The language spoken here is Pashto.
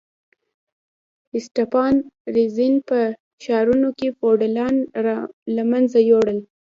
اسټپان رزین په ښارونو کې فیوډالان له منځه یوړل.